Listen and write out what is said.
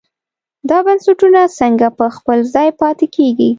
دا بنسټونه څنګه په خپل ځای پاتې کېږي.